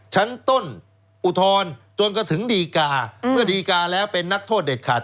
ชั้นต้นอุทธรณ์จนกระทั่งถึงดีกาเมื่อดีกาแล้วเป็นนักโทษเด็ดขาด